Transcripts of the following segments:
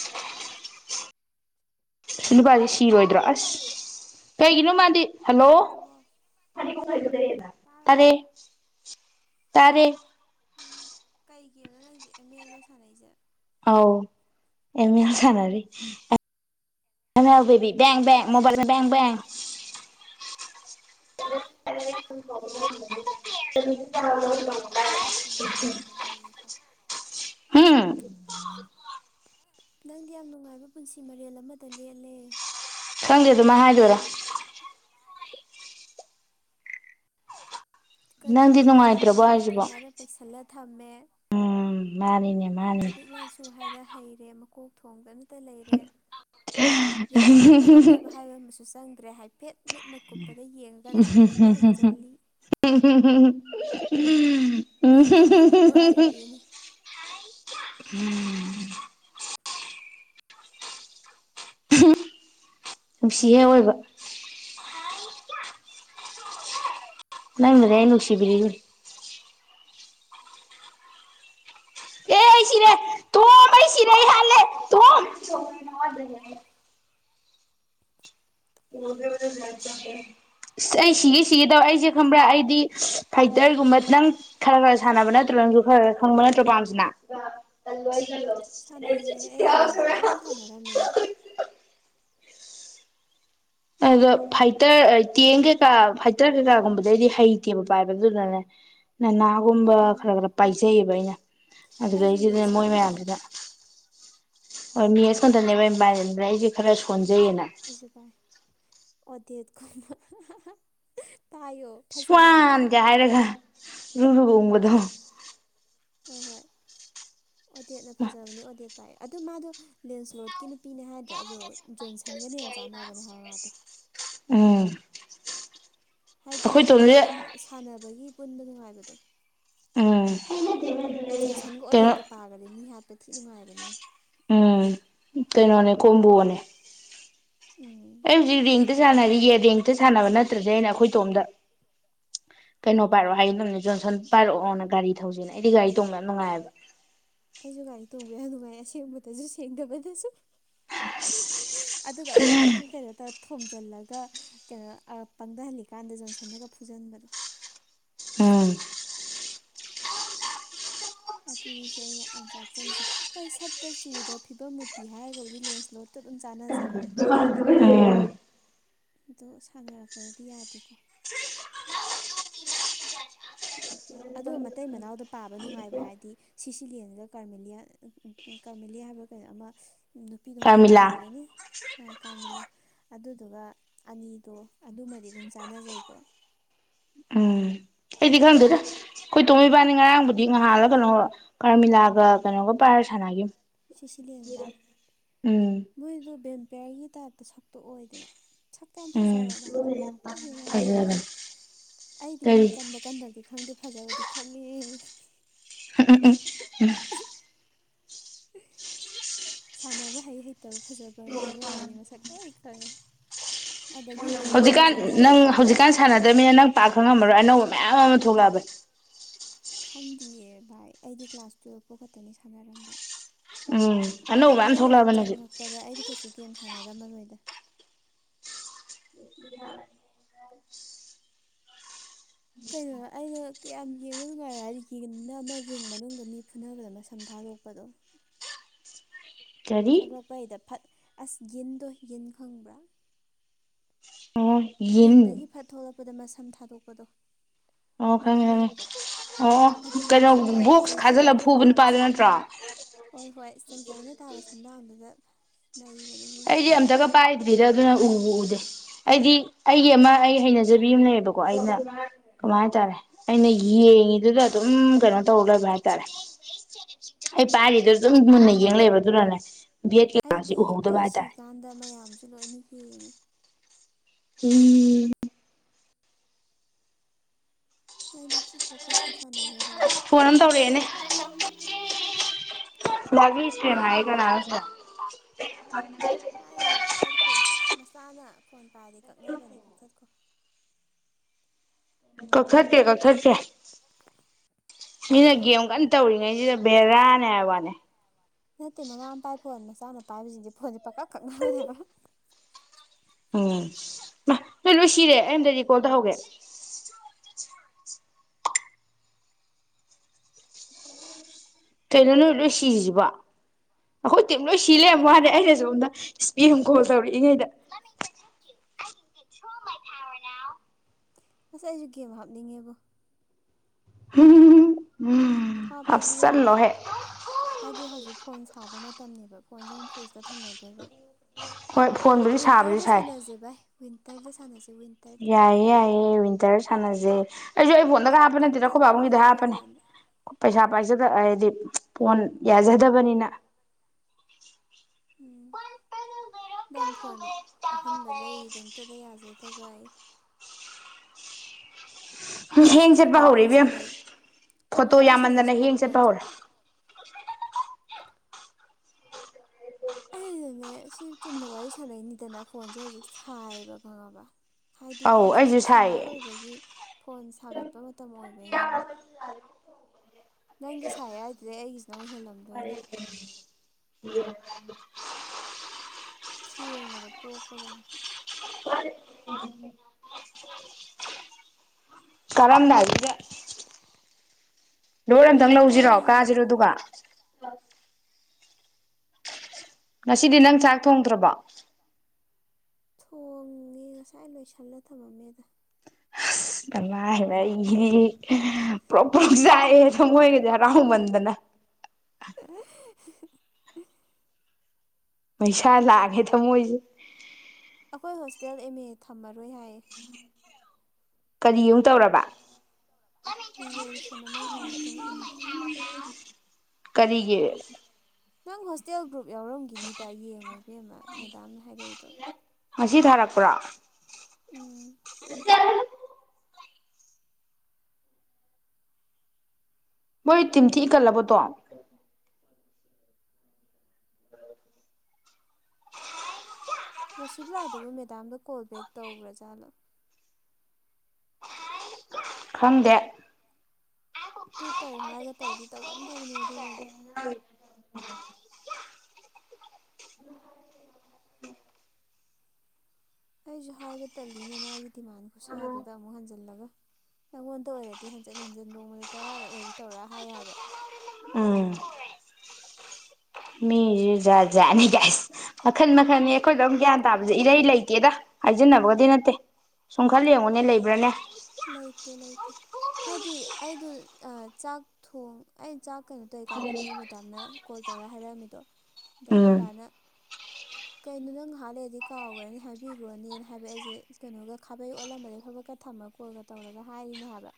ꯂꯣꯛ ꯑ ꯅꯨꯄꯥꯁ ꯁꯤꯔꯣꯏꯗ꯭ꯔꯣ ꯑꯁ ꯀꯩꯒꯤꯅꯣ ꯃꯥꯗꯤ ꯍꯜꯂꯣ ꯇꯥꯔꯕꯣ ꯇꯥꯔꯕꯣ ꯇꯔꯦ ꯇꯔꯦ ꯀꯩꯒꯤꯅꯣꯅ ꯅꯪꯁꯦ ꯑꯦꯝ ꯑꯦꯜꯗꯣ ꯁꯥꯟꯅꯩꯁꯦ ꯑꯥꯎ ꯑꯦꯃꯤ ꯊꯅꯔꯤ ꯦꯕꯤ ꯦꯡ ꯦꯡ ꯃꯣꯕꯥꯜ ꯦꯡ ꯦꯡ ꯅꯪꯗꯤ ꯌꯥꯝ ꯅꯨꯡꯉꯥꯏꯕ ꯄꯨꯟꯁꯤ ꯃꯔꯦꯜ ꯑꯃꯗ ꯂꯦꯜꯂꯤꯀꯣ ꯍ [inaudible] ꯎꯝ ꯅꯪꯗꯤ ꯌꯥꯝ ꯅꯨꯡꯉꯥꯏꯕ ꯄꯨꯟꯁꯤ ꯃꯔꯦꯜ ꯑꯃꯗ ꯂꯦꯜꯂꯦ ꯈꯪꯗꯦ ꯑꯗꯨꯃ ꯍꯥꯏꯗꯣꯏꯔꯥ ꯀꯔꯤꯕꯨ ꯅꯪꯗꯤ ꯅꯨꯡꯉꯥꯏꯇ꯭ꯔꯕꯣ ꯋꯥꯠꯂꯤꯅꯔꯅ ꯍꯥꯏꯁꯤꯕꯣ ꯊꯨꯃꯥꯏꯔ ꯄꯩꯁꯤꯜꯂ ꯊꯝꯃꯦ ꯃꯥꯅꯤꯅꯤ ꯂꯥꯏꯔꯤꯛ ꯂꯥꯏꯁꯨ ꯍꯥꯏꯔ ꯍꯩꯔꯦ ꯃꯀꯣꯛ ꯊꯣꯡꯗꯅ ꯇ ꯂꯩꯔꯦ ꯌꯥꯝ ꯀꯟꯅ ꯍꯣꯠꯅꯕ ꯍꯥꯏꯕ ꯑꯃꯁꯨ ꯆꯪꯗ꯭ꯔꯦ ꯍꯥꯏꯐꯦꯠ ꯃꯤꯠꯅ ꯀꯨꯞꯄꯗ ꯌꯦꯡꯉꯒ ꯅꯪꯗꯤ ꯍꯦꯛꯇ ꯍꯩꯖꯜꯂꯤ ꯎ ꯅꯪꯃ ꯈꯔꯤ ꯍꯨ ꯋꯥꯔꯤꯔꯤꯒꯦꯅꯦ ꯎꯝ ꯅꯨꯡꯁꯤꯍꯦꯛ ꯑꯣꯏꯕ ꯅ ꯃꯏ ꯅꯨꯅꯨꯡꯁꯤꯕꯤꯔꯤ ꯑꯦ ꯑꯩ ꯁꯤꯔꯦ ꯇꯣꯝ ꯑꯩ ꯁꯤꯔꯦ ꯑꯩ ꯍꯥꯠꯂꯦ ꯇꯣꯝ [inaudible] ꯃꯕꯦ ꯃ ꯌꯥꯆ ꯍ ꯑꯩ ꯁꯤꯒꯤ ꯁꯤꯒꯦ ꯇꯧ ꯑꯩꯁꯦ ꯈꯪꯕ꯭ꯔꯥ ꯑꯩꯗꯤ ꯐꯥꯏꯇꯔꯒꯨꯝꯕ ꯅꯪ ꯈꯔ ꯈꯔ ꯁꯥꯟꯅꯕ ꯅꯠꯇ꯭ꯔꯣ ꯈꯔ ꯈꯪꯕ ꯅꯠꯇ꯭ꯔ ꯄꯥꯝꯁꯤꯅ ꯁꯥꯟꯅꯩꯌꯦ ꯑꯩ ꯍꯥꯟꯅ ꯑꯗꯨꯝ ꯁꯥꯟꯅꯔꯝꯃꯦ ꯑꯗꯣ ꯐꯥꯏꯇꯔ ꯇꯦꯡ ꯀꯩꯀꯥ ꯐꯥꯏꯇꯔ ꯀꯩꯀꯥꯒꯨꯝꯕꯗꯩꯗꯤ ꯍꯩꯇꯦꯕ ꯄꯥꯏꯕ ꯑꯗꯨꯅꯅꯦ ꯅꯅꯥ ꯨꯝꯕ ꯎꯝ ꯈꯔ ꯈꯔ ꯄꯥꯏꯖꯩꯌꯦꯕ ꯑꯩꯅ ꯑꯩꯁꯨ ꯑꯗꯨꯗꯩꯁꯤꯗ ꯃꯦꯠꯁ ꯌꯥꯝ ꯃꯣꯏ ꯄꯥꯏ ꯃꯌꯥꯝꯁꯤꯅ ꯑꯣ ꯃꯤꯁꯀꯣꯟ ꯇꯕ ꯌꯥ ꯍꯥꯏꯁꯤꯦ ꯈꯔꯁꯨ ꯀꯣꯟ ꯍꯥꯏꯖꯕꯥꯥꯏ ꯑꯗꯤꯠ ꯀ ꯁ꯭ꯋꯥꯟꯁꯦ ꯍꯥꯏꯔꯒ ꯔꯨꯨꯔꯨꯒꯣꯡꯕꯗꯣ ꯍꯣꯏ ꯍꯣꯏ ꯍꯣꯏ ꯑꯣꯗꯦꯠꯅ ꯐꯖꯕꯅꯤ ꯑꯣꯗꯦꯠ ꯄꯥꯏꯑꯦ ꯑꯗꯨꯗ ꯃꯥꯗꯣ ꯂꯦꯟꯁ꯭ꯂꯣꯠꯀꯤ ꯅꯨꯄꯤꯅꯦ ꯍꯥꯏꯗ꯭ꯔꯥ ꯑꯗꯣ ꯖꯣꯟꯁꯟꯒꯅ ꯍꯦꯟꯅ ꯆꯥꯟꯅꯕꯅꯦ ꯍꯥꯏꯕ ꯃꯥꯗꯣ ꯎꯝ ꯍꯥꯏꯗꯤ ꯑꯩꯈꯣꯏ ꯇꯣꯝꯁꯦ ꯁꯥꯟꯅꯕꯒꯤ ꯄꯨꯟꯕ ꯅꯨꯡꯉꯥꯏꯕꯗꯣ ꯎꯝ ꯖꯣꯟꯁꯟꯒ ꯀꯩꯅꯩꯅꯣ ꯑꯣꯗꯦꯠꯀ ꯄꯥꯈ꯭ꯔꯗꯤ ꯃꯤ ꯍꯥꯠꯄ ꯊꯤ ꯅꯨꯡꯉꯥꯏꯕꯅꯤ ꯎꯝ ꯀꯩꯅꯣꯅꯦ ꯀꯣꯝꯕꯣꯅꯦ ꯎꯝ ꯑꯩ ꯍꯧꯖꯤꯛ ꯔꯦꯡꯛꯇ ꯁꯥꯟꯅꯔꯤꯌꯦ ꯔꯦꯡꯇ ꯁꯥꯟꯅꯕ ꯅꯠꯇ꯭ꯔꯗꯤꯦ ꯑꯩꯅ ꯑꯩꯈꯣꯏꯇꯣꯝꯗ [inaudible] ꯀꯩꯅꯣ ꯄꯥꯏꯔꯛꯑꯣ ꯍꯥꯏꯅꯦ ꯖꯣꯟꯁꯟ ꯄꯥꯏꯔꯛꯑꯣꯅ ꯒꯥꯔꯤ ꯊꯧꯁꯤꯅ ꯑꯩꯗꯤ ꯒꯥꯔꯤ ꯇꯣꯡꯗꯅ ꯅꯨꯡꯉꯥꯏꯑꯕ ꯑꯩꯁꯨ ꯒꯥꯔꯤ ꯇꯣꯡꯕ ꯌꯥ ꯅꯨꯡꯉꯥꯏ ꯑꯁꯦꯡꯕꯗꯁꯨ ꯁꯦꯡꯗꯕꯗꯁꯨ ꯑꯗꯨꯒ ꯄ ꯀ ꯀꯔꯤ ꯇꯔꯣ ꯊꯣꯝꯖꯤꯜꯂꯒ ꯀꯩꯅꯣ ꯄꯪꯊꯍꯜꯂꯤꯀꯥꯟꯗ ꯖꯣꯟꯁꯟꯗꯒ ꯐꯨꯖꯟꯕꯗꯣ ꯎꯝ ꯑꯗꯨꯅꯤꯁꯦ ꯑꯩ ꯌꯥꯝ ꯆꯥꯛꯆꯩꯁꯦ ꯍꯣꯏ ꯁꯛꯇ ꯆꯨꯗ ꯐꯤꯕꯝ ꯃꯨ꯭ꯔꯇꯤ ꯍꯥꯏꯔꯒꯕꯨꯗꯤ ꯂꯦꯟꯁꯂꯣꯠ ꯇꯧ ꯑꯗꯨꯝ ꯆꯥꯟꯅꯖꯕ [inaudible] ꯑꯗꯣ ꯁꯥꯟꯅꯔꯛꯄꯗꯗꯤ ꯌꯥꯗꯦꯀꯣ ꯑꯗꯣ ꯃꯇꯩ ꯃꯅꯥꯎꯗ ꯄꯥꯕ ꯅꯨꯡꯉꯥꯏꯕ ꯍꯥꯏꯔꯗꯤ ꯁꯤꯁꯤ ꯂꯦꯟꯉꯒ ꯀꯔꯃꯤꯂꯤꯌꯥ ꯀꯔꯃꯤꯂꯤꯌꯥ ꯍꯥꯏꯕ꯭ꯔ ꯀꯩꯅꯣ ꯑꯃ ꯅꯨꯄꯤꯗꯣ ꯃꯃꯤꯡ ꯀꯥꯔꯃꯤꯂꯥ ꯀꯥꯎꯈ꯭ꯔꯦꯅꯦ ꯀꯥꯔꯃꯤꯂꯥ ꯑꯗꯨꯗꯨꯒ ꯑꯅꯤꯗꯣ ꯑꯗꯨꯃꯗꯤ ꯑꯗꯨꯝ ꯆꯥꯟꯅꯖꯩꯀꯣ ꯎꯝ ꯑꯩꯗꯤꯒ ꯈꯪꯗ‌ꯦꯗꯥ ꯑꯩꯈꯣꯏ ꯇꯣꯝ ꯏꯕꯥꯟꯅꯤ ꯉꯔꯥꯡꯕꯨꯗꯤ ꯅꯍꯥꯜꯂ ꯀꯩꯅꯣ ꯀꯥ꯭ꯔꯃꯤꯂꯥꯒ ꯀꯩꯅꯣꯒ ꯄꯥꯏꯔ ꯁꯥꯟꯅꯥꯒꯤ ꯁꯤꯁꯤꯂꯤꯑꯦꯟꯒꯥ ꯃꯣꯏꯗ ꯕ‌ꯦꯟ ꯄꯤꯌꯥ꯭ꯔꯒꯤ ꯇꯥꯏꯞꯇ ꯁꯛꯇ ꯑꯣꯏꯗꯅ ꯁꯛꯇꯣ ꯌꯥꯝ ꯎꯝ ꯐꯖꯕꯅꯦ ꯍꯥꯏꯕ ꯌꯦꯡꯕ ꯌꯥꯝ ꯅꯨꯡꯉꯥꯏꯕꯅꯦ ꯐꯖꯕꯅ‌ꯦ ꯑꯩꯗꯤ ꯃꯤ ꯀꯟꯕ ꯀꯟꯗꯕꯗꯤ ꯈꯪꯗꯦ ꯐꯖꯕꯗꯤ ꯈꯪꯉꯦ ꯎꯝ ꯎꯝ ꯎꯝ ꯎꯝ ꯁꯥꯟꯅꯕ ꯍꯩ ꯍꯩꯇꯕ ꯐꯖꯕ ꯍꯦꯔꯣꯈꯩꯗꯤ ꯃꯁꯛ ꯂꯣꯏ ꯈꯪꯉꯤ ꯑꯗꯒꯤ ꯌꯦꯟꯁꯨ ꯍꯧꯖꯤꯛꯀꯥꯟ ꯃꯁꯝ ꯅꯪ ꯊꯥꯗꯣꯛꯑꯀꯥꯟꯗ ꯍꯧꯖꯤꯛꯀꯥꯟ ꯁꯥꯟꯅꯗ꯭ꯔꯕꯃꯤꯅ ꯅꯪ ꯄꯥꯛ ꯈꯪ ꯉꯝꯃꯔꯣꯏ ꯑꯅꯧꯕ ꯃꯌꯥꯝ ꯑꯃ ꯊꯣꯛꯂꯛꯑꯕ ꯈꯪꯗꯤꯌꯦ ꯚꯥꯏ ꯑꯩꯗꯤ ꯀ꯭ꯂꯥꯁ ꯇꯨꯌꯦꯜꯞ ꯄꯣꯛ ꯈꯠꯇꯅꯤ ꯁꯥꯟꯅꯔꯝꯕ ꯎꯝ ꯑꯅꯧꯕ ꯃꯌꯥꯝ ꯅꯣꯏꯒ ꯊꯣꯛꯂꯛꯑꯕꯅꯦ ꯍꯧꯖꯤꯛ ꯆꯪꯉꯛꯄꯗ ꯑꯩꯗ ꯀꯩꯁꯨ ꯒꯦꯝ ꯁꯥꯟꯅꯔꯝꯃꯔꯣꯏꯗ ꯀꯩꯅꯣ ꯑꯩꯅ ꯀꯌꯥꯝ ꯌꯦꯡꯕ ꯅꯨꯡꯉꯥꯏ ꯍꯥꯏꯗꯤ ꯌꯦꯡꯅ ꯑꯃ ꯔꯤꯡ ꯃꯅꯨꯡꯗ ꯃꯤ ꯐꯨꯅꯕꯗ ꯑꯃ ꯃꯥꯁꯝ ꯊꯥ ꯊꯥꯗꯣꯛꯄꯗꯣ ꯀꯔꯤ ꯊꯣꯛꯂꯛꯄ ꯍꯥꯏꯗ ꯑꯁ ꯌꯤꯟꯗꯣ ꯌꯤꯟ ꯈꯪꯕ꯭ꯔꯥ ꯑ ꯌꯤꯟ ꯗ ꯃꯁꯝ ꯊꯥꯗꯣꯛꯄꯗꯣ ꯑꯣ ꯃꯤ ꯈꯪꯉꯦ ꯐꯨꯅꯕꯗ ꯈꯪꯉꯦ ꯑꯣ ꯑꯗꯨꯒꯤ ꯀꯩꯅꯣ ꯃꯁꯝꯒ ꯕꯣꯛꯁ ꯈꯥꯖꯤꯜꯂꯒ ꯆꯩꯖꯥꯏꯅ ꯐꯨꯕ ꯇꯥꯕ ꯅꯨꯄꯥꯗꯨ ꯅꯠꯇ꯭ꯔꯣ ꯍꯣꯏ ꯍꯣꯏ ꯆ‌ꯣꯏꯖꯥꯏꯅ ꯇꯥꯕ ꯁꯝꯂꯥꯡꯗꯨꯗ ꯅꯩꯕꯅꯦꯍꯦ ꯑꯩꯁꯦ ꯑꯝꯇꯒ ꯄꯥꯏꯗ꯭ꫪꯤꯗ ꯑꯗꯨꯅ ꯎꯕꯨ ꯎꯗꯦ ꯑꯩꯗꯤ ꯑꯩꯒꯤ ꯑꯃ ꯑꯩ ꯍꯩꯅꯖꯕꯤ ꯑꯃ ꯂꯩꯌꯦꯕꯀꯣ ꯑꯩꯅ ꯀꯃꯥꯏ ꯍꯥꯏꯇꯥꯔꯦ ꯑꯩꯅ ꯌꯦꯡꯉꯤꯗꯨꯗ ꯑꯗꯨꯝ ꯀꯩꯅꯣ ꯇꯧꯔ ꯂꯩꯕ ꯍꯥꯏꯇꯥꯔꯦ ꯑꯩ ꯄꯥꯏꯔꯤꯗꯨ ꯑꯗꯨꯝ ꯃꯨꯟꯅ ꯌꯦꯡꯂꯡꯛꯑꯕ ꯑꯗꯨꯅꯅꯦ ꯚꯦꯠ ꯀꯩꯀꯥꯁ ꯎꯍꯧꯗꯕ ꯍꯥꯏ ꯖꯤ ꯀꯥꯟꯗ ꯃꯌꯥꯝꯁꯨ ꯂꯣꯏꯅ ꯌꯦꯡꯉꯦ ꯎꯝ ꯑꯣꯗꯤꯠꯇꯤ ꯐꯣꯀ꯭ꯁꯇ ꯁꯅꯩ ꯍ‌ꯦ ꯐꯣꯟ ꯑꯃ ꯇꯧꯔꯛꯑꯦꯅꯦ ꯂꯥꯛꯁ ꯄꯥꯏꯔꯨꯅꯨ ꯃꯥꯌꯦꯛꯒꯅꯁ ꯄꯥꯏꯔꯤꯅꯨ ꯀꯛꯊꯠꯈꯣ ꯃꯆꯥꯅ ꯐꯣꯟ ꯇꯥꯗꯤ ꯀꯛꯅꯕꯅꯦ ꯀꯛꯊꯠꯈꯣ ꯀꯛꯊꯠꯇ‌ꯦ ꯀꯛꯊꯠꯇ‌ꯦ ꯃꯤꯅ ꯒꯦꯝ ꯀꯟꯅ ꯇꯧꯔꯤꯉꯩꯁꯤꯗ ꯕꯦꯔꯥꯅꯦ ꯍꯥꯏꯕ ꯋꯥꯅꯦ ꯅꯠꯇꯦ ꯃꯃꯥ ꯃꯄꯥꯥꯏ ꯐꯣꯟ ꯃꯆꯥꯅ ꯄꯥꯏꯕꯁꯤꯡꯁꯦ ꯐꯣꯟꯁꯦ ꯄꯪꯀꯛ ꯀꯛꯅꯕꯅꯦꯕ ꯎꯝ ꯅꯣꯏ ꯂꯣꯏꯁꯤꯔꯦ ꯑꯩ ꯑꯝꯇ ꯔꯤꯀꯣꯜ ꯇꯧꯍꯧꯒꯦ ꯀꯩꯅꯣ ꯅꯣꯏ ꯂꯣꯏ ꯁꯤꯁꯤꯕꯨ ꯑꯩꯈꯣꯏ ꯇꯤꯝ ꯂꯣꯏ ꯁꯤ ꯂꯩꯔꯝ ꯃꯥꯅꯦ ꯑꯩꯅ ꯁꯣꯝꯗ ꯏꯁꯄꯥꯝ ꯑꯃ ꯀꯣꯜ ꯇꯧꯔꯛꯏꯉꯩꯗ ꯑꯁ ꯑꯩꯁꯨ ꯒ‌ꯦꯝ ꯍꯥꯞꯅꯤꯡꯉꯦꯕꯣ ꯍꯝ ꯍꯥꯞꯄꯗꯤ ꯌꯥꯔꯣꯏꯗꯕ ꯍꯥꯏꯗꯤ ꯍꯧꯖꯤꯛ ꯐꯣꯟ ꯁꯥꯕ ꯃꯇꯝꯅꯤꯕ ꯐꯣꯟꯁꯦ ꯑꯃꯨꯛ ꯐ꯭ꯔꯦꯖꯇ ꯊꯝꯅꯗꯣꯏꯕ ꯍꯣꯏ ꯐꯣꯟꯕꯨꯗꯤ ꯁꯥꯕꯨꯗꯤ ꯁꯥꯏ ꯟꯇꯔꯗ ꯁꯥꯟꯦ ꯌꯥꯏꯌꯦ ꯌꯥꯏꯌꯦ ꯋꯤꯟꯇꯔ ꯁꯥꯟꯅꯁꯦ ꯑꯩꯁꯨ ꯑꯩ ꯐꯣꯟꯗꯒ ꯊꯛ ꯊꯛ ꯍꯥꯞꯄꯅꯦꯗꯤꯔ ꯑꯩꯈꯣꯏ ꯊꯛ ꯕꯥꯕꯨꯡꯒꯤꯗ ꯅꯤꯛꯄ ꯍꯥꯞꯄꯅꯦ ꯀꯥꯟꯗ ꯄꯩꯁꯥ ꯄꯥꯏꯖꯗ ꯍꯥꯏꯗꯤ ꯐꯣꯟ ꯌꯥꯖꯗꯕꯅꯤꯅ ꯎꯝ ꯅꯪ ꯐꯣꯟ ꯑꯍꯟꯕ ꯂꯩꯔꯤꯗꯣ ꯑꯝꯇꯗ ꯌꯥꯖꯗꯕ ꯑꯩ ꯑꯩꯁꯤ ꯍꯦꯡ ꯆꯠꯄ ꯆꯨꯝꯅ ꯋꯥꯔꯤ ꯍꯧꯔꯛꯕꯦꯝ ꯁꯥꯟꯅꯩ ꯆꯨꯝꯅ ꯐꯣꯇꯣ ꯋꯥꯔꯤ ꯌꯥꯝꯃꯟꯗꯅ ꯁꯥꯟꯅꯩꯁꯤꯕꯣ ꯍ ꯆꯦꯠꯄ ꯐꯣꯟꯁꯦ ꯍꯧꯧꯔꯦ ꯑꯩꯩꯅꯅꯦ ꯁꯤ ꯆꯨꯝꯅ ꯋꯥꯔꯤ ꯁꯥꯟꯅꯩꯅꯤꯗꯅ ꯐꯣꯟꯁꯦ ꯍꯧꯖꯤꯛ ꯁꯥꯏꯌꯦꯕ ꯈꯪꯉꯕ ꯍꯥꯏꯗꯤ ꯑꯧ ꯍꯧꯖꯤꯛꯁꯦ ꯑꯩꯁꯨ ꯁꯝꯃꯔ ꯁꯥꯏꯌꯦ ꯑꯣꯏꯕꯒꯤ ꯐꯣꯟ ꯁꯥꯒꯠꯄ ꯃꯇꯝ ꯃꯇꯝ ꯑꯣꯏꯕꯩꯅꯦꯕ ꯅꯪꯒꯤ ꯁꯥꯏ ꯑꯗꯨꯗ ꯑꯩꯒꯤꯁꯤꯅ ꯍꯦꯜꯂꯝꯅꯤ ꯐꯔꯦ ꯊꯦꯡꯕꯗ ꯄꯣꯛꯄꯖꯥꯅꯤ ꯀꯔꯝꯗꯥꯒ ꯂꯣꯏ ꯑꯝꯇꯪ ꯂꯧꯁꯤꯔꯣ ꯕꯤꯛꯇꯣꯔꯤ ꯀꯥꯁꯤꯔꯣ ꯑꯗꯨꯒ ꯉꯁꯤꯗꯤ ꯅꯪ ꯆꯥꯛ ꯊꯣꯡꯗ꯭ꯔꯕ ꯊꯣꯡꯉꯦ ꯉꯁꯥꯏ ꯂꯣꯏꯁꯜꯂ ꯊꯝꯃꯝꯃꯦꯗ ꯑ ꯀꯃꯥꯏ ꯍꯥꯏꯅ ꯑꯩꯒꯤ ꯄ꯭ꯔꯞ ꯄꯂꯣꯛ ꯆꯥꯛꯑꯦ ꯁ ꯃꯣꯏꯒꯁꯦ ꯍꯔꯥꯎꯃꯟꯗꯅ [inaudible] ꯄꯩꯁꯥ ꯂꯥꯛꯒꯦ ꯊꯃꯣꯏꯁꯦ ꯑꯩꯈꯣꯏ ꯍꯣꯁꯇꯦꯜ ꯑꯦꯝ ꯑꯦ ꯊꯝꯃꯔꯣꯏ ꯍꯥꯏꯌꯦ ꯀꯔꯤ ꯑꯃꯨꯝ ꯇꯧꯔꯕ ꯔꯤꯖꯣꯂꯨꯁꯟ ꯑꯃꯒꯤ ꯃꯇꯨꯡ ꯏꯟꯅ ꯀꯔꯤꯒꯤꯦ ꯅꯪ ꯍꯣꯁꯇꯦꯜ ꯒ꯭ꯔꯨꯞ ꯌꯥꯎꯔꯝꯒꯤꯅꯤꯗ ꯌꯦꯡꯉꯣꯏꯕꯦꯝ ꯑꯃ ꯃꯦꯗꯥꯝꯅ ꯍꯥꯏꯔꯛꯏꯗꯣ ꯉꯁꯤ ꯊꯥꯔꯛꯄ꯭ꯔꯥ ꯎꯝ ꯠꯇ ꯃꯣꯏ ꯇꯤꯤꯟꯊꯤ ꯏꯀꯜꯂꯕꯇꯣ ꯔꯣꯁꯤꯕꯂꯥꯗꯨꯕꯨ ꯃꯦꯗꯥꯝꯗ ꯀꯣꯜ ꯕꯦꯛ ꯇꯧꯕ꯭ꯔꯥꯖꯥꯠꯂꯣ ꯈꯪꯗꯦ ꯇꯨ ꯇꯧ ꯍꯥꯏꯔꯒ ꯇꯧꯗꯤ ꯇꯧꯒꯟꯗꯕꯅꯦꯕ ꯑꯗꯨꯒꯤ ꯃꯤꯗꯣ ꯍ ꯑꯩꯁꯨ ꯍꯥꯏꯕ ꯇꯂꯤꯅꯦ ꯃꯥꯒꯤ ꯗꯤꯃꯥꯟ ꯈꯨꯁꯥꯗꯨꯗ ꯑꯃꯨꯛ ꯍꯟꯖꯤꯜꯂꯒ ꯅꯪꯉꯣꯟꯗ ꯑꯣꯏꯔꯗꯤ ꯍꯟꯖꯤꯟ ꯍꯟꯖꯤꯟ ꯅꯣꯡꯃꯗ ꯇꯔꯥꯔꯛ ꯑꯣꯏꯔꯁꯨ ꯇꯧꯔꯛ ꯍꯥꯏꯌꯦꯕ ꯎꯝ ꯖꯖꯅꯤ ꯀꯁ ꯃꯈꯟ ꯃꯈꯟ ꯑꯩꯈꯣꯏꯗ ꯑꯃꯛ ꯒ꯭ꯌꯥꯟ ꯇꯥꯕꯁꯦ ꯏꯔꯩ ꯂꯩꯇꯦꯗ ꯍꯥꯏꯖꯤꯟꯅꯕꯒꯗꯤ ꯅꯠꯇꯦ ꯁꯨꯝ ꯈꯔ ꯌꯦꯡꯉꯨꯅꯦ ꯂꯩꯕ꯭ꯔꯅꯦ ꯂꯩꯇꯦ ꯂꯩꯇꯦ ꯍꯥꯏꯗꯤ ꯑꯩꯗꯣ ꯆꯥꯛ ꯊꯣꯡ ꯑꯩꯩꯅ ꯆꯥꯛꯀꯩꯅ ꯇꯏꯀꯥꯟꯗꯅꯦ ꯃꯦꯗꯥꯝꯅ ꯀꯣꯜ ꯇꯧꯔ ꯍꯥꯏꯔꯛꯑꯝꯃꯤꯗꯣ ꯑꯗꯣ ꯎꯝ ꯑꯩꯈꯣꯏꯄꯥꯅ ꯀꯩꯅꯣ ꯅ ꯉꯍꯥꯟ ꯂꯩꯗꯤ ꯀꯥꯎꯈ꯭ꯔꯅꯤ ꯍꯥꯏꯕꯤꯈ꯭ꯔꯣꯅꯦꯅ ꯍꯥꯏꯕ ꯑꯩꯁꯦ ꯀꯩꯅꯣꯒ ꯈꯥꯕꯩ ꯑꯣꯠꯂꯝꯕꯗꯒꯤꯩ ꯐꯕꯛꯀ ꯊꯝꯃꯀꯣ ꯀꯣꯜꯒ ꯇꯧꯔꯒ ꯍꯥꯏꯔꯤꯅꯦ ꯍꯥꯏꯕ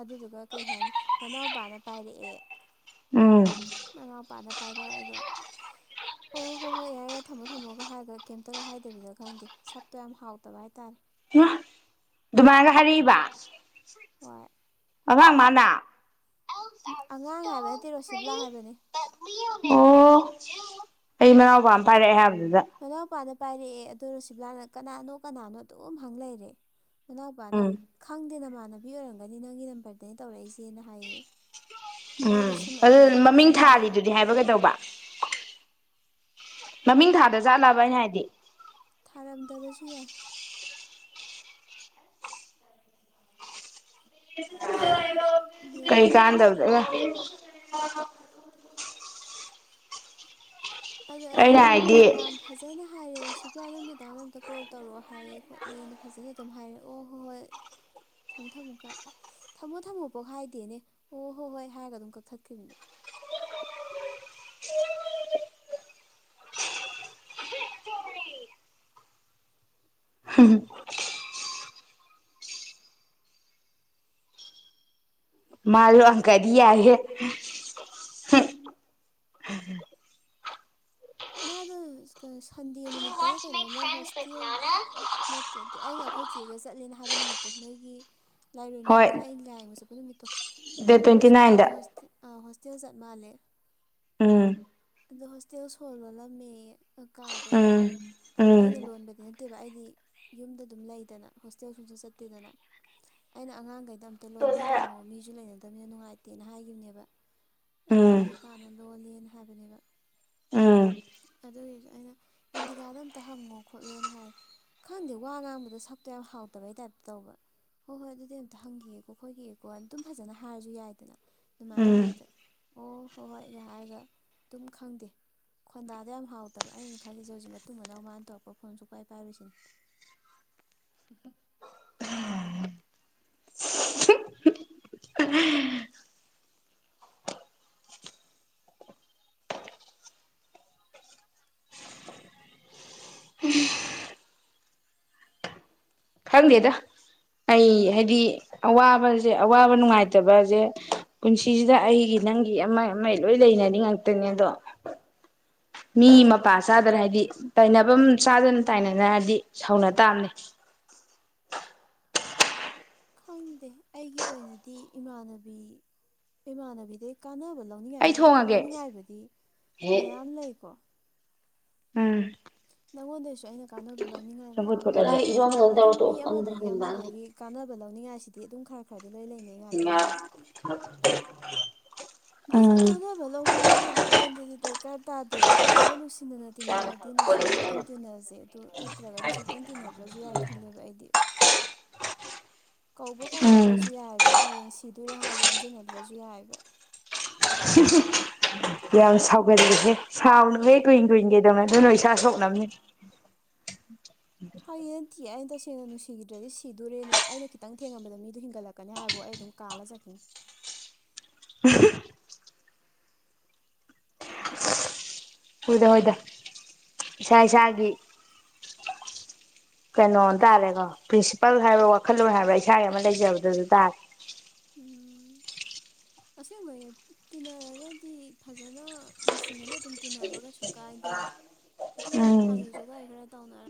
ꯑꯗꯨꯗꯨꯒ ꯀꯩ ꯍꯥꯏꯅꯤ ꯃꯅꯥꯎꯄꯥꯅ ꯄꯥꯏꯔꯛꯑꯦ ꯎꯝ ꯃꯅꯥꯎꯄꯥꯅ ꯄꯥꯏꯔꯛꯑꯒ ꯑꯣ ꯍꯣꯏ ꯍꯣꯏ ꯌꯥꯔꯦ ꯌꯥꯔꯦ ꯊꯝꯃꯣ ꯊꯝꯃꯣꯒ ꯍꯥꯏꯔ ꯀꯩꯝꯇꯒ ꯍꯥꯏꯗꯕꯤꯗꯣ ꯈꯪꯗꯦ ꯁꯛꯇꯣ ꯌꯥꯝ ꯍꯥꯎꯗꯕ ꯍꯥꯏꯇꯥꯔꯦ ꯐ ꯑꯗꯨꯃꯥꯏꯒ ꯍꯔꯔꯤꯕ ꯍꯣꯏ ꯑ ꯃꯥꯅ ꯑꯉꯥꯡ ꯍꯥꯏꯕ ꯅꯠꯇꯦ ꯔꯣꯁꯤꯕꯂꯥ ꯍꯥꯏꯕꯅꯤ ꯑꯣ ꯑꯩ ꯃꯅꯥꯎꯕ ꯑꯃ ꯄꯥꯏꯔꯛꯑꯦ ꯍꯥꯏꯕ ꯃꯅꯥꯎ ꯃꯄꯥꯅ ꯄꯥꯏꯔꯛꯑꯦ ꯑꯗꯨ ꯔꯣ ꯁꯤꯝꯂꯥꯅ ꯀꯅꯥꯅꯣ ꯀꯅꯥꯅꯣ ꯑꯗꯨꯝ ꯍꯪ ꯂꯩꯔꯦ ꯃꯅꯥꯎꯄꯥꯅ ꯎꯝ ꯈꯪꯗꯦ ꯅꯃꯥꯟꯅꯕꯤ ꯑꯣꯏꯔꯝꯒꯅꯤ ꯅꯪꯒꯤ ꯅꯝꯕꯔꯗꯩꯅ ꯇꯧꯔꯛꯏꯁꯦꯅ ꯍꯥꯏꯌꯦ [inaudible] ꯎꯝ ꯁꯤꯝ ꯑꯗꯨ ꯑꯅꯤ ꯃꯃꯤꯡ ꯑꯅꯤ ꯊꯥꯔꯤꯗꯨꯗꯤ ꯍꯥꯏꯕ ꯀꯩꯗꯧꯕ ꯃꯃꯤꯡ ꯊꯥꯗ ꯆꯠꯂꯕꯅ ꯍꯥꯏꯗꯤ ꯊꯥꯔꯝꯗꯕꯁꯨ ꯌꯥꯏ [inaudible] ꯀꯩ ꯀꯥꯟꯗꯧꯗꯒ ꯑꯗ ꯑꯩꯅ ꯌꯥꯝ ꯐꯖꯅ ꯍꯥꯏꯔꯦ ꯔꯣ ꯁꯤꯗ ꯃꯇꯗ ꯑꯝꯇ ꯀꯣꯜ ꯇꯧꯔꯛꯑꯣ ꯍꯥꯏꯌꯦꯦ ꯈꯣꯠꯂꯦꯅ ꯐꯖꯅ ꯑꯗꯨꯝ ꯍꯥꯏꯔꯛꯦ ꯑꯣ ꯍꯣꯏ ꯍꯣꯏ ꯊꯝꯃꯣ ꯊꯝꯃꯣ ꯊꯝꯃꯣ ꯊꯝꯃꯣ ꯄꯣꯛ ꯍꯥꯏꯗꯦꯅꯦ ꯑꯣ ꯍꯣꯏ ꯍꯣꯏ ꯍꯥꯏꯔꯒ ꯑꯗꯨꯝ ꯀꯛꯊꯠ꯭ꯈꯤꯕꯅꯦ [inaudible] ꯃꯥ ꯂꯣ ꯑꯪ ꯀꯗꯤ ꯌꯥꯒꯦ ꯃꯥꯗ ꯁꯟꯗꯦ ꯅꯨꯃꯤꯠꯇꯅ ꯀꯩꯅꯣꯝꯃ ꯍꯣꯁꯇꯦꯜ ꯅꯠꯇꯦ ꯑꯩꯅ ꯑꯩꯈꯣꯏ ꯅꯣꯏ ꯆꯦꯒ ꯆꯠꯂꯦꯅ ꯍꯥꯏꯕ ꯅꯨꯃꯤꯠꯇꯣ ꯅꯣꯏꯒꯤ ꯂꯥꯏꯔꯣꯏ ꯍꯣꯏ ꯅꯨꯃꯤꯠꯇꯨꯗ ꯑꯩꯅ ꯂꯥꯏ ꯌꯦꯡꯕ ꯆꯠꯄ ꯅꯨꯃꯤꯠꯇꯣ ꯗꯦꯠ ꯑꯗꯔ ꯇ꯭ꯋꯦꯟꯇꯤ ꯁꯤꯕꯂꯥ ꯑꯗꯣ ꯅꯥꯏꯟꯗ ꯍ ꯏꯆ ꯆꯠ ꯃꯥꯜꯂꯦ ꯎꯝ ꯑꯗꯣ ꯍꯣꯁꯇꯦꯜ ꯁꯣꯜ ꯂꯣꯜꯂꯝꯃꯦ ꯀꯥꯗꯣ ꯎꯝ ꯑꯗ ꯎꯝ ꯑꯩꯅ ꯂꯣꯟꯕꯗꯤ ꯅꯠꯇꯦꯕ ꯑꯩꯗꯤ ꯌꯨꯝꯗ ꯑꯗꯨꯝ ꯂꯩꯗꯅ ꯍꯣꯁꯇꯦꯜꯁꯨꯁꯨ ꯆꯠꯇꯦꯗꯅ ꯑꯩꯅ ꯑꯉꯥꯡꯈꯩꯗ ꯑꯝꯇ ꯂꯣꯟꯕꯤꯔꯝꯃꯣ ꯃꯤꯁꯨ ꯂꯩꯅꯗꯕꯅꯤꯅ ꯅꯨꯡꯉꯥꯏꯇꯦꯅ ꯍꯥꯏꯈꯤꯕꯅꯦꯕ ꯑꯗ ꯎꯝ ꯏꯟꯗꯤꯀꯥꯅ ꯂꯣꯂꯦꯅ ꯍꯥꯏꯕꯅꯦꯕ ꯎꯝ ꯑꯗꯨꯒꯤꯁꯨ ꯑꯩꯅ ꯏꯟꯗꯤꯒꯥꯗ ꯑꯝꯇ ꯍꯪꯉꯣ ꯈꯣꯠꯂꯣꯅ ꯍꯥꯏ ꯈꯪꯗꯦ ꯋꯥ ꯉꯥꯡꯕꯗ ꯁꯛꯇꯣ ꯌꯥꯝ ꯍꯥꯎꯇꯕꯩ ꯇꯥꯏꯞꯇ ꯇꯧꯕ ꯍꯣꯏ ꯍꯣꯏ ꯑꯗꯨꯗꯤ ꯑꯝꯇ ꯍꯪꯈꯤꯑꯦꯀꯣ ꯈꯣꯏꯈꯤꯑꯦꯀꯣ ꯑꯗꯨꯝ ꯐꯖꯅ ꯍꯥꯏꯔꯁꯨ ꯌꯥꯏꯗꯅ ꯑꯗꯨꯃꯥꯏꯅ ꯎꯝ ꯍꯥꯏꯗꯨꯗ ꯑꯣ ꯍꯣꯏ ꯍꯣꯏꯒ ꯍꯥꯏꯔꯒ ꯑꯗꯨꯝ ꯈꯪꯗꯦ ꯈꯣꯟꯗꯥꯗꯣ ꯌꯥꯝ ꯍꯥꯎꯇꯕ ꯑꯩꯅ ꯈꯜꯂꯤꯁꯦ ꯍꯧꯖꯤꯛ ꯃꯇꯨꯡ ꯃꯅꯥꯎ ꯃꯥꯅ ꯇꯧꯔꯛꯄ ꯐꯣꯟꯁꯨ ꯎꯄꯥꯏ ꯄꯥꯏꯔꯨꯁꯤꯅ [inaudible] ꯈꯪꯗꯦꯗ ꯑꯩ ꯍꯥꯏꯗꯤ ꯑꯋꯥꯕꯁꯦ ꯑꯋꯥꯕ ꯅꯨꯡꯉꯥꯏꯇꯕꯁꯦ ꯄꯨꯟꯁꯤꯁꯤꯗ ꯑꯩꯒꯤ ꯅꯪꯒꯤ ꯑꯃ ꯑꯃ ꯂꯣꯏ ꯂꯩꯅꯔꯤ ꯉꯥꯛꯇꯅꯦ ꯑꯗꯣ ꯃꯤ ꯃꯄꯥ ꯆꯥꯗꯅ ꯍꯥꯏꯕꯗꯤ ꯇꯥꯏꯅꯐꯝ ꯆꯥꯗꯅ ꯇꯥꯏꯅꯅ ꯍꯥꯏꯗꯤ ꯁꯧꯅ ꯇꯥꯕꯅꯦ [inaudible] ꯈꯪꯗꯦ ꯑꯩꯒꯤ ꯑꯣꯏꯅꯗꯤ ꯏꯃꯥꯟꯅꯕꯤ ꯏꯃꯥꯟꯅꯕꯤꯗꯩ ꯀꯥꯟꯅꯕ ꯑꯩ ꯂꯧꯅꯤꯡꯉꯥꯏꯁꯨ ꯍꯣꯏ ꯊꯣꯡꯉꯒꯦ ꯂꯧꯅꯤꯡꯉꯥꯏꯕꯨꯗꯤ ꯃꯌꯥꯝ ꯂꯩꯀꯣ ꯎꯝ ꯅꯪꯉꯣꯟꯗꯩꯁꯨ ꯑꯩꯅ ꯀꯥꯟꯅꯕ ꯂꯧꯅꯤꯡꯉꯥꯏ ꯃꯌꯥꯝ ꯂꯩ ꯆꯔꯥ ꯑꯗꯨꯝ ꯃꯤ ꯑꯃꯗꯒꯤ ꯑꯃꯗꯒꯤ ꯀꯥꯟꯅꯕ ꯂꯧꯅꯤꯡꯉꯥꯏꯁꯤꯗꯤ ꯑꯗꯨꯝ ꯈꯔ ꯈꯔꯗꯤ ꯂꯣꯏ ꯂꯩꯅꯩ ꯉꯥꯛꯇꯅꯦꯕ ꯏ ꯑ ꯀꯥꯟꯅꯕ ꯂꯧꯕ ꯂꯧꯗꯕ ꯑꯩꯉꯣꯟꯗꯗꯤ ꯗꯔꯀꯥꯔ ꯇꯥꯗꯦꯕ ꯐꯖꯅ ꯅꯨꯡꯁꯤꯅꯅ ꯇꯤꯟꯅꯔꯗꯤ ꯅꯨꯡꯁꯤꯅꯅ ꯑꯗꯨꯝ ꯇꯤꯟꯅꯔꯁꯦ ꯑꯗꯨ ꯅꯠꯇ꯭ꯔꯒꯗꯤ ꯁꯨꯇꯤꯟ ꯇꯤꯟꯅꯗ꯭ꯔꯁꯨ ꯌꯥꯏ ꯈꯜꯂꯦꯕ ꯑꯩꯗꯤ ꯀꯧꯕ ꯎꯝ ꯀꯧꯅꯗ꯭ꯔꯁꯨ ꯌꯥꯏꯕ ꯍꯌꯦꯡ ꯁꯤꯗꯣꯔꯦ ꯍꯥꯏꯔꯁꯨ ꯑꯣꯟꯁꯤꯟꯅꯗ꯭ꯔꯁꯨ ꯌꯥꯏꯕ [unintelligible] ꯌꯥꯝ ꯁꯥꯎꯒꯠꯜꯂꯤꯂꯁꯦ ꯁꯥꯎꯅꯨꯍꯦ ꯀꯨꯏ ꯀꯨꯏꯟ ꯀꯩꯗꯧꯅ ꯑꯗꯨ ꯅ ꯏꯁꯥ ꯁꯣꯛꯅꯕꯝꯅꯦ ꯐ ꯇꯤ ꯑꯩꯅ ꯇꯁꯦꯡꯅ ꯅꯨꯡꯁꯤꯈꯤꯗ꯭ꯔꯗꯤ ꯁꯤꯗꯔꯦꯅ ꯑꯩꯅ ꯈꯤꯇꯪ ꯊꯦꯡꯉꯕꯗ ꯃꯤꯗꯨ ꯍꯤꯡꯒꯂꯀ ꯍꯥꯏꯕꯕꯨ ꯑꯩꯝ ꯀꯥꯟꯅꯖꯦ [inaudible] ꯍꯗ ꯍꯗ ꯆꯥꯏ ꯆꯒꯤ [inaudible] ꯀꯩꯅꯣ ꯇꯥꯔꯦꯀꯣ ꯄ꯭ꯔꯤꯟꯁꯤꯄꯥꯜ ꯍꯥꯏꯕ꯭ꯔꯥ ꯋꯥꯈꯜꯂꯣꯟ ꯍꯥꯏꯕ꯭ꯔꯥ ꯏꯁꯥꯒꯤ ꯑꯃ ꯂꯩꯖꯕꯗꯁꯨ ꯇꯥꯔꯦ ꯎ ꯑꯁꯦꯡꯕꯁꯦ ꯇꯤꯟꯅꯔꯒꯗꯤ ꯐꯖꯅ ꯅꯨꯡꯁꯤꯅꯅ ꯑꯗꯨꯝ ꯇꯤꯟꯅꯕ ꯀꯩꯁꯨ ꯀꯥꯏꯗꯦꯕ ꯑꯗꯨꯝ ꯎꯝ ꯍꯪꯉꯤꯁꯨꯒꯥꯏ ꯈꯔ ꯇꯧꯅꯔ